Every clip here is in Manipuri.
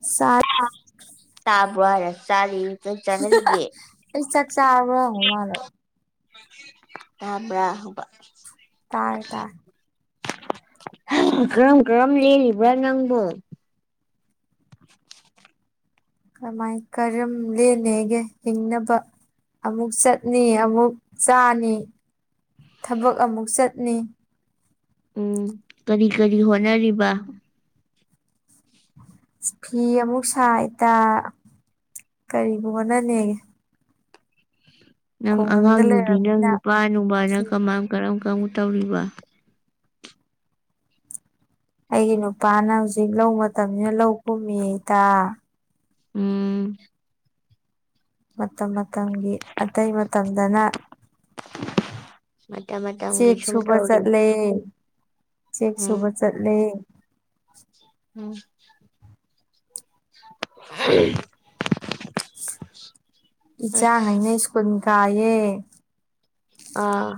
ꯁꯥꯠ ꯇꯥꯕ꯭ꯔꯣ ꯍꯥꯏꯔ ꯆꯔꯤ ꯆꯩ ꯆꯅꯔꯤꯒꯦ ꯑꯩ ꯆꯥꯛ ꯆꯥꯕ꯭ꯔꯥ ꯍꯪꯕ ꯃꯥꯜꯂꯣ ꯇꯥꯕ꯭ꯔ ꯍꯪꯕ ꯇꯥꯔꯦ ꯇꯔꯦ ꯀꯔꯝ ꯀꯔꯝ ꯂꯩꯔꯤꯕ꯭ꯔꯥ ꯅꯪꯕꯨ ꯀꯃꯥꯏ ꯀꯔꯝ ꯂꯦꯟꯅꯦꯒꯦ ꯍꯤꯡꯅꯕ ꯑꯃꯨꯛ ꯆꯠꯅꯤ ꯑꯃꯨꯛ ꯆꯥꯅꯤ ꯊꯕꯛ ꯑꯃꯨꯛ ꯆꯠꯅꯤ ꯎꯝ ꯀꯔꯤ ꯀꯔꯤ ꯍꯣꯠꯅꯔꯤꯕ ꯐꯤ ꯑꯃꯨꯛ ꯁꯥꯏꯇ ꯀꯔꯤꯕꯨ ꯍꯣꯠꯅꯅꯦꯒꯦ ꯅꯪ ꯑꯉꯥꯡ ꯈꯨꯡꯒꯪꯗ ꯅꯨꯕꯤ ꯅꯪ ꯂꯩꯔꯕꯅꯤꯅ ꯅꯨꯄꯥ ꯅꯨꯡꯕꯥꯅ ꯐꯤ ꯀꯃꯥꯏ ꯀꯔꯝ ꯀꯔꯝ ꯇꯧꯔꯤꯕ ꯑꯩꯒꯤ ꯅꯨꯄꯥꯅ ꯍꯧꯖꯤꯛ ꯂꯧ ꯃꯇꯝꯅꯤꯅ ꯂꯧ ꯀꯨꯝꯃꯤꯌꯦ ꯏꯇꯥ ꯎꯝ ꯃꯇꯝ ꯃꯇꯝꯒꯤ ꯑꯇꯩ ꯃꯇꯝꯗꯅ [inaudible] ꯃꯇꯥ ꯃꯇꯥ ꯆꯦꯛ ꯁꯨꯕ ꯆꯠꯂꯦ ꯆꯦꯛ ꯁꯨꯕ ꯎꯝ ꯆꯠꯂꯦ ꯎꯝ ꯑꯁ ꯏꯆꯥꯥꯡꯍꯩꯅ ꯁ꯭ꯀꯨꯟ ꯀꯥꯏꯌꯦ ꯑꯥ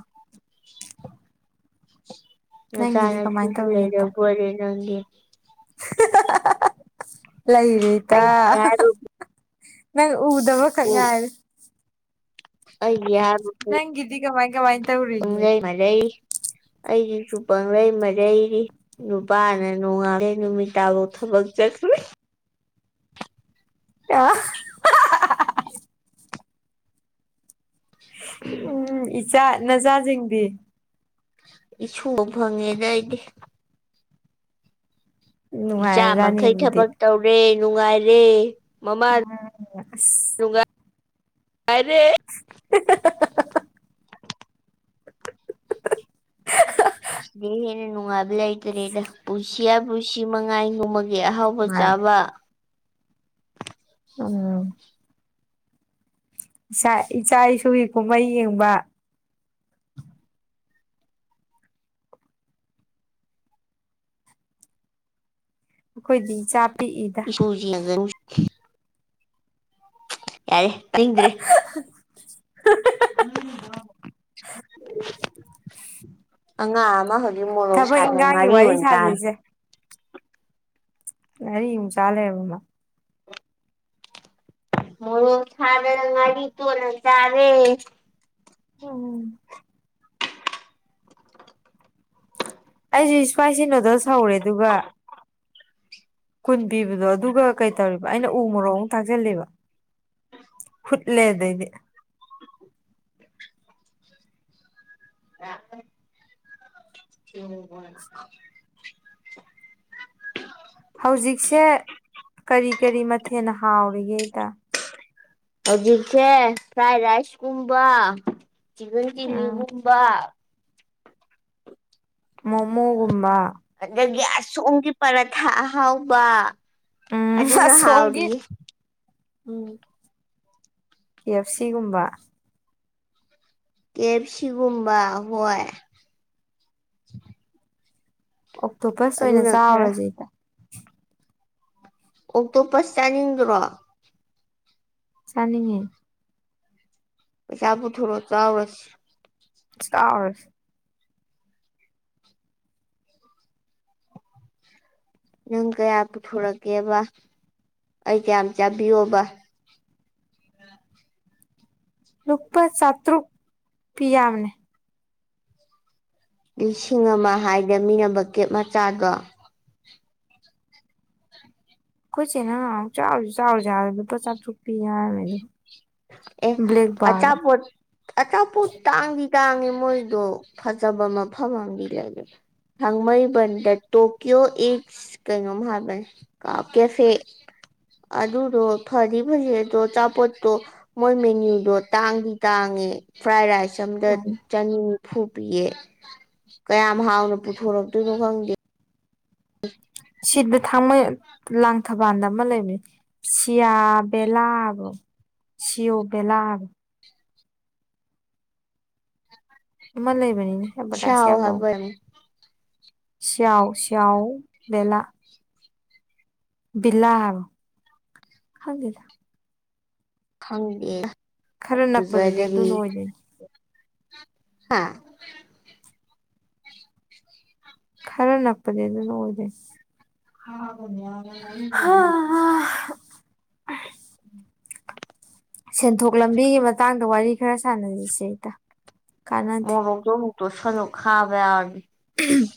ꯅꯆꯥꯥ ꯅꯪꯒꯤꯗꯤ ꯀꯃꯥꯏꯅ ꯅꯁꯨꯁꯨ ꯇꯧꯔꯤꯒꯦ ꯏꯇꯥ ꯂꯩꯔꯕꯣꯏꯔꯦ ꯅꯪꯒꯤ ꯂꯩꯔꯦ ꯏꯇꯥ ꯑꯩꯒꯤ ꯍꯥꯏꯕꯕꯨ ꯅꯪ ꯎꯗꯕꯈꯛ ꯉꯥꯏꯔꯦ ꯑꯩꯒꯤ ꯌꯥꯕꯨ ꯅꯪꯒꯤꯗꯤ ꯀꯃꯥꯏ ꯀꯃꯥꯏ ꯇꯧꯔꯤꯒꯦ ꯄꯪꯂꯩ ꯃꯔꯩ ꯑꯩꯒꯤꯁꯨ ꯄꯥꯡꯂꯩ ꯃꯔꯩꯔꯤ ꯅꯨꯄꯥꯅ ꯅꯣꯡꯉꯥꯟꯗꯩꯩ ꯅꯨꯃꯤꯠ ꯇꯕꯨ ꯊꯕꯛ ꯆꯠ ꯑꯥ ꯎꯝ ꯏꯆꯥ ꯅꯆꯥꯖꯤꯡꯗꯤ ꯏꯁꯨꯕꯨ ꯐꯪꯉꯦꯗ ꯑꯩꯗꯤ ꯏꯆꯥ ꯅꯨꯡꯉꯥꯏꯔꯖꯥꯠꯅꯤ ꯃꯈꯩ ꯑꯗꯨꯗꯤ ꯊꯕꯛ ꯇꯧꯔꯦ ꯅꯨꯡꯉꯥꯏꯔꯦ ꯃꯃꯥ ꯑꯁ ꯅꯨꯡꯉꯥꯏ ꯑꯥꯏꯔꯦ [unintelligible] ꯏꯦ ꯍꯦꯟꯅ ꯅꯨꯡꯉꯥꯏꯕ ꯂꯩꯇꯔꯦꯗ ꯄꯨꯁꯤꯌꯥ ꯄꯨꯁꯤ ꯃꯉꯥꯏ ꯉꯨꯝꯃꯒꯦ ꯑꯍꯥꯎ ꯕꯨ ꯅꯨꯡꯉꯥꯏꯔꯦ ꯆꯥꯕ ꯎꯝ ꯏꯆꯥ ꯏꯁꯨꯒꯤ ꯀꯨꯝꯍꯩ ꯌꯦꯡꯕ ꯑꯩꯈꯣꯏꯗꯤ ꯏꯆꯥ ꯄꯤꯛꯏꯗ ꯄꯖꯤ ꯂꯒꯅꯤ ꯌꯥꯔꯦ ꯇꯗ꯭ꯔꯦ [inaudible] ꯑꯉꯥꯡ ꯑꯃ ꯍꯧꯖꯤꯛ ꯃꯣꯔꯣꯛ ꯊꯕꯛ ꯁꯥꯏꯠꯅ ꯏꯟꯈꯥꯡꯒꯤ ꯉꯥꯔꯤ ꯋꯥꯔꯤ ꯑꯣꯏꯅ ꯆꯥꯔꯦ ꯁꯥꯖꯩꯁꯦ ꯉꯔꯤ ꯑꯃꯨꯛ ꯆꯥꯂꯩꯔꯕ ꯃ ꯃꯣꯔꯣꯛ ꯊꯗꯅ ꯉꯥꯔꯤ ꯇꯣꯠꯂ ꯆꯔꯦ ꯎꯝ ꯑꯩꯁꯨ ꯏꯁꯄꯥꯏꯁꯤ ꯅꯣꯗꯜꯁ ꯍꯧꯔꯦ ꯑꯗꯨꯒ ꯀꯨꯟ ꯄꯤꯕꯗꯣ ꯑꯗꯨꯒ ꯀꯩ ꯇꯧꯔꯤꯕ ꯑꯩꯅ ꯎ ꯃꯣꯔꯣꯛ ꯑꯃꯨꯛ ꯊꯥꯛꯆꯜꯂꯦꯕ ꯂꯦꯗꯩꯗꯤ [unintelligible] ꯍꯧꯖꯤꯛꯁꯦ ꯀꯔꯤ ꯀꯔꯤ ꯃꯊꯦꯜꯅ ꯍꯥꯎꯔꯤꯒꯦꯗ ꯍꯧꯖꯤꯛꯁꯦ ꯐ꯭ꯔꯥꯏ ꯔꯥꯏꯁꯀꯨꯝꯕ ꯆꯤꯛꯀꯟ ꯎꯝ ꯆꯤꯂꯤꯒꯨꯝꯕ ꯃꯣꯃꯣꯒꯨꯝꯕ ꯑꯗꯒꯤ ꯑꯁꯣꯝꯒꯤ ꯄꯔꯊꯥ ꯑꯍꯥꯎꯕ ꯎꯝ ꯑꯗꯨꯅ ꯑꯁ ꯍꯣꯡꯒꯤ ꯍꯥꯎꯔꯤꯌꯦ ꯎꯝ ꯀ ꯑꯦꯐ ꯁꯤꯒꯨꯝꯕ ꯀ ꯑꯦꯞ ꯁꯤꯒꯨꯝꯕ ꯍꯣꯏ ꯑꯣꯛꯇꯣꯄꯁ ꯑꯣꯏꯅ ꯑꯗꯨꯅ ꯈꯔ ꯆꯥꯎꯔꯁꯦ ꯏꯗ ꯑꯣꯛꯇꯣꯞ ꯄꯁ ꯆꯥꯅꯤꯡꯗ꯭ꯔꯣ ꯆꯥꯅꯤꯡꯉꯦ ꯄꯩꯁꯥ ꯄꯨꯊꯣꯔ ꯆꯥꯎꯔꯁꯤ ꯁꯇꯥꯔ ꯅꯪ ꯀꯌꯥ ꯄꯨꯊꯣꯔꯛꯀꯦꯕ ꯑꯩ ꯀꯌꯥꯝ ꯆꯥꯕꯤꯌꯣꯕ ꯂꯨꯄꯥ ꯆꯥꯇ꯭ꯔꯨꯛ ꯄꯤ ꯌꯥꯝꯕꯅꯦ ꯂꯤꯁꯤꯡ ꯑꯃ ꯍꯥꯏꯗꯃꯤꯅꯕ ꯀꯦꯞ ꯃꯆꯥꯗꯣ ꯑꯩꯈꯠꯁꯦꯅ ꯆꯥꯎꯁꯨ ꯆꯥꯎꯁꯨ ꯂꯨꯄꯥ ꯆꯥꯁꯨꯛ ꯄꯤ ꯌꯥꯔꯃꯦꯗꯣ ꯑꯦ ꯑ ꯆꯥꯄꯣꯠ ꯑꯆꯥꯄꯣꯠ ꯇꯥꯡꯗꯤ ꯇꯥꯡꯉꯤ ꯃꯣꯏꯗꯣ ꯐꯖꯕ ꯃꯐꯝ ꯑꯃꯗꯤ ꯂꯩꯔ ꯍꯪꯃꯕꯟꯗ ꯇꯣꯀꯤꯌꯣ ꯑꯦ ꯀꯩꯅꯣꯝꯥꯕ ꯀꯥꯎ ꯀꯦꯁꯦ ꯑꯗꯨꯗꯣ ꯐꯗꯤ ꯐꯖꯗꯣ ꯑꯥꯄꯣꯠꯇꯣ ꯃꯣꯏ ꯃꯦꯅ꯭ꯨꯗꯣ ꯇꯥꯡꯗꯤ ꯇꯥꯡꯉꯦ ꯐ꯭ꯔꯥꯏ ꯔꯥꯏꯁ ꯑꯝꯗ ꯆꯅꯤꯅꯤꯐꯨ ꯄꯤꯌꯦ ꯀꯌꯥꯝ ꯍꯥꯎꯅ ꯄꯨꯊꯣꯔꯛꯇꯣꯏꯅꯣ ꯈꯪꯗꯦ ꯁꯤꯠ ꯊꯥꯡ ꯂꯥꯡ ꯊꯕꯥꯟꯗ ꯑꯃ ꯂꯩꯕꯅꯦ ꯁꯤꯌꯥ ꯕꯦꯂꯥꯕ ꯁꯤꯌꯣ ꯕꯦꯂꯥꯕ ꯏ ꯂꯩꯕꯅꯤꯅꯦ ꯍꯦ ꯕꯇꯥꯁ ꯁꯥꯎ ꯌꯥꯝ ꯇꯧ ꯍꯥꯏꯕ ꯁꯤꯌꯥꯎ ꯁꯤꯌꯥꯥꯎ ꯕꯦꯂ ꯂꯥ ꯍꯥꯏꯥꯎ ꯈꯪꯒ ꯈꯪꯗꯦ ꯈꯔ ꯅꯛꯄꯗꯗꯤ ꯖꯗꯦꯗꯒꯤ ꯑꯗꯨꯅ ꯑꯣꯏꯗꯣꯏꯅꯤ ꯍꯥꯥ ꯈꯔ ꯅꯞꯄꯗꯤ ꯑꯗꯨ ꯂ ꯑꯣꯏꯔꯦꯁꯤ ꯍꯥꯎ ꯌꯥ ꯌꯥ ꯌꯥꯅꯤ ꯑꯣ ꯎꯝ ꯁꯦꯟꯊꯣꯛ ꯂꯝꯕꯤꯒꯤ ꯃꯇꯥꯡꯗ ꯋꯥꯔꯤ ꯈꯔ ꯁꯥꯟꯅꯔꯤꯁꯦ ꯑꯩꯗ ꯀꯥꯟꯅꯗꯦ ꯍꯣ ꯇꯣꯁꯅ ꯈꯕ ꯎꯝ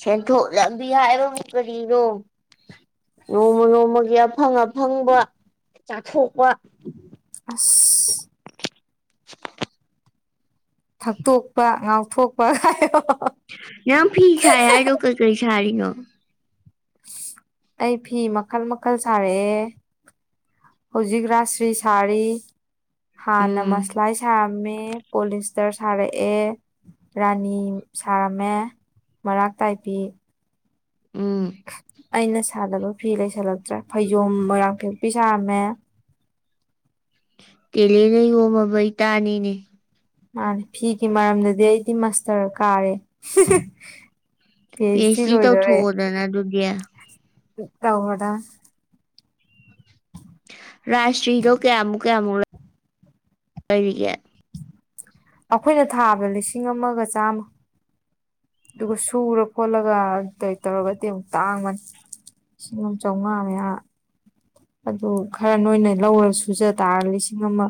ꯁꯦꯟꯊꯣꯛ ꯂꯝꯕꯤ ꯍꯥꯏꯔꯣ ꯀꯔꯤꯅꯣ ꯅꯣꯡꯃ ꯅꯣꯡꯃꯒꯤ ꯑꯐꯪ ꯑꯐꯪꯕ ꯆꯥꯊꯣꯛꯄ ꯑ ꯊꯛꯇꯣꯛꯄ ꯉꯥꯎꯊꯣꯛꯄ ꯌꯥꯝ ꯐꯤꯁ ꯌꯥꯗ ꯀ ꯀꯩ ꯁꯥꯔꯤꯑꯣꯣ ꯑꯩ ꯐꯤ ꯃꯈꯜ ꯃꯈꯜ ꯁꯥꯔꯛꯑꯦ ꯍꯧꯖꯤꯛ ꯔꯥꯥꯁ꯭ꯔꯤ ꯁꯥꯔꯤ ꯍꯥꯟꯅ ꯎꯝ ꯃꯁꯂꯥꯏ ꯁꯥꯔꯝꯃꯦ ꯄꯣꯂꯤꯁꯇꯔ ꯁꯥꯔꯛꯑꯦ ꯔꯥꯅꯤ ꯁꯥꯔꯝꯃꯦ ꯃꯔꯥꯛ ꯇꯥꯏꯄꯤ ꯎꯝ ꯑꯩꯅ ꯁꯥꯗꯕ ꯐꯤ ꯂꯩꯁꯜꯂꯛꯇ꯭ꯔꯦ ꯐꯩꯖꯣꯝ ꯃꯣꯏꯔꯥꯡꯊꯦꯛꯄꯤꯤ ꯁꯥꯔꯝꯃꯦ ꯇꯦꯜꯂꯦꯅ ꯌꯣꯝꯃꯕꯩ ꯇꯥꯅꯤꯅꯦ ꯃꯥꯅꯦ ꯐꯤꯒꯤ ꯃꯔꯝꯗꯗꯤ ꯑꯩꯗꯤ ꯃꯁꯇꯔ ꯀꯥꯔꯦ ꯐꯦꯁꯗꯤ ꯂꯣꯏꯗꯧꯔꯦ ꯅꯅꯗꯨꯗꯤꯌꯥ ꯆ ꯇ ꯍꯣꯗ ꯔꯥꯏꯁꯇ꯭ꯔꯤꯗꯣ ꯀꯌꯥꯃꯨꯛ ꯀꯌꯥꯃꯨꯛ ꯂꯩꯔꯤꯒꯦ ꯑꯩꯈꯣꯏꯅ ꯊꯥꯕꯗ ꯂꯤꯁꯤꯡ ꯑꯃꯒ ꯆꯥꯝꯃ ꯑꯗꯨꯒ ꯁꯨꯔ ꯈꯣꯠꯂꯒ ꯀꯩ ꯇꯧꯔꯒꯗꯤ ꯑꯃꯨꯛ ꯇꯥꯡꯕꯅꯤ ꯂꯤꯁꯤꯡꯣ ꯆꯥꯝꯃꯉꯥ ꯃꯌꯥ ꯑꯗꯨ ꯈꯔ ꯅꯣꯏꯅ ꯂꯧꯔ ꯁꯨꯖ ꯇꯥꯔꯒ ꯂꯤꯁꯤꯡ ꯑꯃ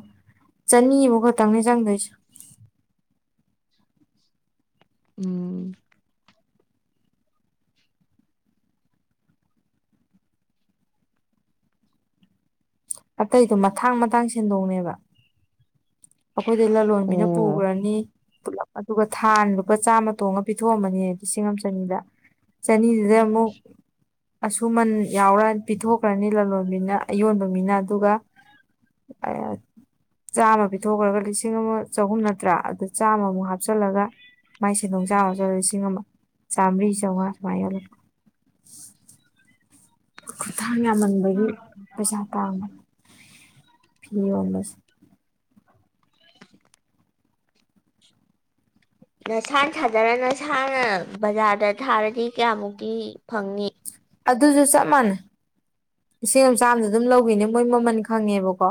ꯆꯅꯤꯐꯥꯎ ꯈꯛꯇꯪꯅꯤ ꯆꯪꯗꯣꯏꯁꯨ ꯎꯝ ꯑꯇꯩꯗꯣ ꯃꯊꯥꯡ ꯃꯊꯥꯡ ꯁꯦꯟꯗꯣꯡꯅꯦꯕ ꯑꯩꯈꯣꯏꯗꯤ ꯂꯂꯣꯟꯕꯤꯅ ꯑꯣ ꯄꯨꯈ꯭ꯔꯅꯤ ꯄꯨꯂꯞ ꯑꯗꯨꯒ ꯊꯥ ꯂꯨꯄꯥ ꯆꯥꯝꯃ ꯇꯣꯡꯉꯒ ꯄꯤꯊꯣꯛꯑꯝꯕꯅꯤ ꯂꯤꯁꯤꯡ ꯑꯃ ꯆꯅꯤꯗ ꯆꯅꯤꯗ ꯑꯃꯨ ꯑꯁꯨꯃꯟ ꯌꯥꯎꯔꯅꯤ ꯄꯤꯊꯣꯛꯈ꯭ꯔꯅꯤ ꯂꯂꯣꯟꯕꯤꯅ ꯑꯌꯣꯟꯕ ꯃꯤꯅ ꯑꯗꯨꯒ ꯑ ꯆꯥꯝꯃ ꯄꯤꯊꯣꯛꯈ꯭ꯔꯒ ꯂꯤꯁꯤꯡ ꯑꯃ ꯆꯍꯨꯝ ꯅꯠꯇ꯭ꯔꯥ ꯑꯗꯨ ꯆꯥꯝꯃꯃꯨꯛ ꯍꯥꯞꯆꯜꯂꯒ ꯃꯥꯏ ꯁꯦꯟꯗꯣꯡ ꯆꯥꯔꯁꯨ ꯂꯤꯁꯤꯡ ꯑꯃ ꯆꯥꯝꯔꯤ ꯆꯥꯝꯃꯉꯥ ꯁꯨꯃꯥꯏꯅ ꯌꯣꯜꯂꯛꯄ ꯈꯨꯠꯊꯥꯡ ꯌꯥꯝꯃꯟꯕꯒꯤ ꯄꯩꯁꯥ ꯇꯥꯡꯝꯕꯅꯤ ꯐꯤ ꯌꯣꯟꯕꯁꯦ ꯅꯁꯥꯅ ꯁꯥꯥꯖꯔ ꯅꯁꯥꯅ ꯕꯖꯥꯔꯗ ꯊꯥꯔꯗꯤ ꯀꯌꯥꯃꯨꯛꯇꯤ ꯐꯪꯅꯤ ꯑꯗꯨꯁꯨ ꯆꯞ ꯃꯥꯟꯅꯩ ꯏꯁꯤꯡ ꯑꯃ ꯆꯥꯝꯗ ꯑꯗꯨꯝ ꯂꯧꯕꯤꯅꯦ ꯃꯣꯏ ꯃꯃꯜ ꯈꯪꯉꯦꯕꯀꯣ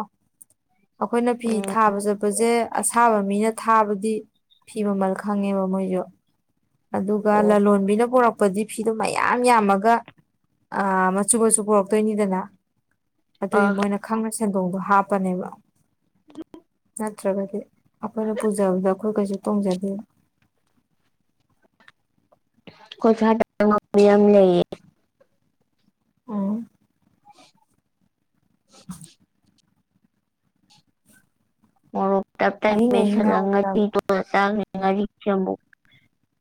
ꯑꯩꯈꯣꯏꯅ ꯐꯤ ꯎꯝ ꯊꯥꯕ ꯆꯠꯄꯁꯦ ꯑꯁꯥꯕ ꯃꯤꯅ ꯊꯥꯕꯗꯤ ꯐꯤꯕꯃꯜ ꯈꯪꯉꯦꯕ ꯃꯣꯏꯁꯨ ꯑꯗꯨꯒ ꯑꯣ ꯂꯂꯣꯟꯕꯤꯅ ꯄꯨꯔꯛꯄꯗꯤ ꯐꯤꯗꯣ ꯃꯌꯥꯝ ꯌꯥꯝꯃꯒ ꯑ ꯃꯆꯨ ꯃꯆꯨ ꯄꯨꯔꯛꯇꯣꯏꯅꯤꯗꯅ ꯑꯗꯨꯒꯤ ꯑꯥ ꯃꯣꯏꯅ ꯈꯪꯅ ꯁꯦꯟꯗꯣꯡꯗꯣ ꯍꯥꯞꯄꯅꯦꯕ ꯅꯠꯇ꯭ꯔꯒꯗꯤ ꯑꯩꯈꯣꯏꯅ ꯄꯨꯖꯕꯗ ꯑꯩꯈꯣꯏ ꯀꯩꯁꯨ ꯇꯣꯡꯖꯗꯦ ꯀꯊꯥ ꯌꯥꯝꯝ ꯂꯩꯌꯦ ꯎꯝ ꯃ ꯇ ꯑꯍꯤꯡ ꯑꯍꯤꯡ ꯉꯥꯎꯕꯤꯔꯕ ꯇꯁ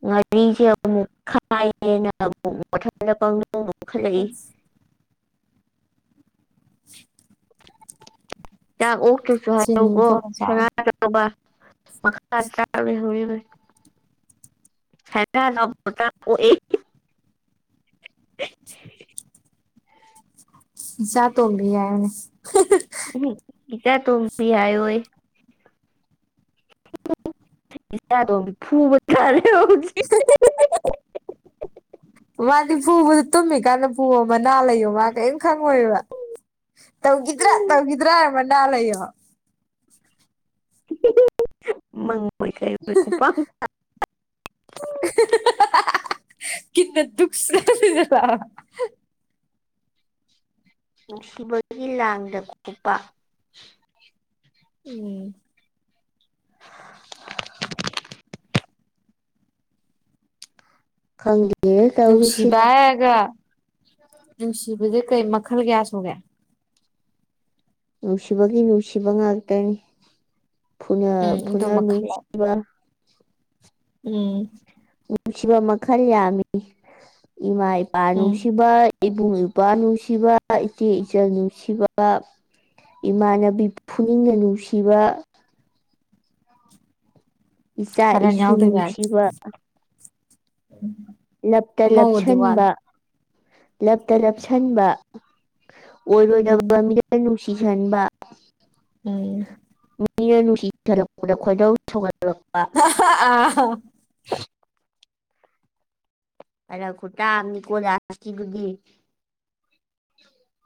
ꯉꯥꯔꯤꯁꯦ ꯑꯃꯨꯛ ꯈꯥꯏꯌꯦꯦꯅ ꯑꯃꯨꯛ ꯃꯊ ꯄꯗꯧꯈꯠꯂꯛꯏ [unintelligible] ꯆꯥꯛ ꯑꯣꯛꯇꯁꯨ ꯍꯥꯏꯔꯛꯑꯣ ꯀꯣ ꯆꯤꯅꯤꯗꯣ ꯆꯥꯎꯔꯦ ꯁꯣꯅꯥꯠ [unintelligible] ꯁꯅꯥ ꯑꯣꯛꯑꯦ ꯏꯆꯥꯇꯣꯡꯕꯤ ꯍꯥꯏꯅꯦ ꯎꯝ ꯏꯆꯥ ꯇꯣꯝꯕꯤ ꯍꯥꯏꯌꯣꯌꯦ ꯏꯆꯥꯈꯣꯝꯕꯤ ꯐꯨꯕ ꯇꯥꯔꯦ ꯍꯨꯖꯤꯛ [inaudible] ꯃꯥꯗꯤ ꯐꯨꯕꯗꯣ ꯇꯨꯝꯃꯤꯀꯥꯟꯗ ꯄꯨꯑꯣ ꯃꯅꯥ ꯂꯩꯌꯣ ꯃꯥ ꯀꯔꯤꯝ ꯈꯪꯉꯣꯏꯕ ꯇꯧꯈꯤꯗ꯭ꯔꯥ ꯇꯧꯈꯤꯗ꯭ꯔꯥ ꯍꯥꯏ ꯃꯅꯥ ꯂꯩꯌꯣ ꯃꯪꯉꯣꯏꯈꯩ ꯑꯩꯣꯏ ꯈꯣꯄ ꯀ ꯗꯨꯈ ꯅꯨꯡꯁꯤꯕꯒꯤ ꯂꯥꯡꯗ ꯀꯣꯛꯄ ꯎꯝ ꯍꯪꯦ ꯇꯧꯁꯤ ꯍꯒ ꯅꯨꯡꯁꯤꯕꯁꯦ ꯀꯩ ꯃꯈꯜ ꯀꯌꯥ ꯁꯣꯒꯦ ꯅꯨꯡꯁꯤꯕꯒꯤ ꯅꯨꯡꯁꯤꯕ ꯉꯥꯛꯇꯅꯤ ꯐꯨꯅ ꯎꯝ ꯑꯗꯨ ꯐꯨꯅ ꯃꯈꯜ ꯅꯨꯡꯁꯤꯕ ꯎꯝ ꯅꯨꯡꯁꯤꯕ ꯃꯈꯜ ꯌꯥꯝꯃꯤ ꯏꯃꯥ ꯏꯄꯥ ꯎꯝ ꯅꯨꯡꯁꯤꯕ ꯏꯕꯨꯡ ꯏꯄꯥ꯭ꯋꯥ ꯅꯨꯡꯁꯤꯕ ꯏꯆꯦ ꯏꯆꯜ ꯅꯨꯡꯁꯤꯕ ꯏꯃꯥꯟꯅꯕꯤ ꯐꯨꯅꯤꯡꯅ ꯅꯨꯡꯁꯤꯕ ꯏꯆꯥ ꯀꯔꯟ ꯏꯁꯨ ꯅꯨꯡꯁꯤꯕ ꯎꯝ ꯂꯞꯇ ꯂꯞꯁꯟꯕ ꯂꯞꯇ ꯂꯞꯁꯟꯕ ꯎꯝ ꯑꯣꯏꯔꯣꯏꯗꯕ ꯃꯤꯗ ꯅꯨꯡꯁꯤꯁꯟꯕ ꯎꯝ ꯃꯤꯅ ꯅꯨꯡꯁꯤꯖꯔꯛꯄꯗ ꯈꯣꯏꯗꯧ ꯁꯧꯒꯠꯂꯛꯄ ꯑꯍꯥ ꯑꯥꯍꯥ ꯐꯔꯛ ꯈꯨꯇꯥ ꯑꯃꯅꯤ ꯂꯥꯁꯀꯥꯗꯨꯗꯤ ꯑꯗꯨꯗꯤ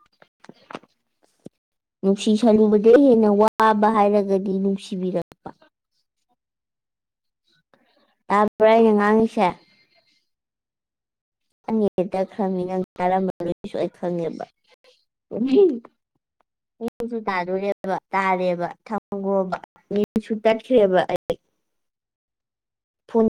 [inaudible] ꯅꯨꯡꯁꯤ ꯁꯟꯂꯨꯕꯗꯒꯤ ꯍꯦꯟꯅ ꯋꯥꯕ ꯍꯥꯏꯔꯒꯗꯤ ꯅꯨꯡꯁꯤꯕꯤꯔꯛ ꯇꯥꯕ꯭ꯔꯥ ꯑꯩꯅ ꯉꯥꯡꯉꯤꯁꯦ ꯑꯩꯅ ꯍꯦꯛꯇ ꯈꯪꯉꯩ ꯅꯪ ꯇꯔꯝꯃꯔꯣꯏꯁꯨ ꯇꯨꯃꯤꯟ ꯃꯤꯁꯨ ꯇꯥꯗꯣꯔꯦꯕ ꯇꯥꯔꯦꯕ ꯊꯝꯈ꯭ꯔꯣꯕ ꯃꯤꯅꯠꯁꯨ ꯇꯠꯈꯔ꯭ꯦꯕ ꯑꯩ ꯐꯣꯟ